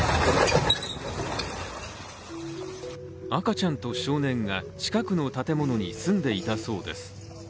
赤ちゃんと少年が近くの建物に住んでいたそうです。